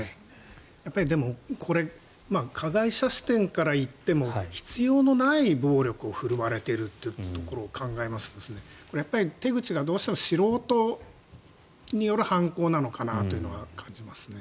でも、これ加害者視点からいっても必要のない暴力を振るわれているということを考えますとやっぱり、手口がどうしても素人による犯行なのかなと感じますね。